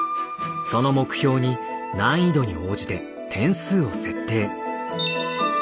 その目標に難易度に応じて点数を設定。